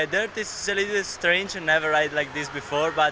dirtnya agak aneh saya tidak pernah mengerjakan seperti ini